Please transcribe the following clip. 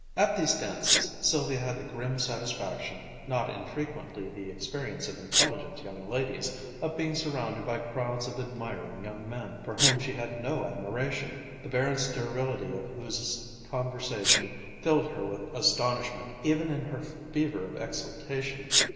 At these dances Sylvia had the grim satisfaction, not infrequently the experience of intelligent young ladies, of being surrounded by crowds of admiring young men, for whom she had no admiration, the barren sterility of whose conversation filled her with astonishment, even in her fever of exultation.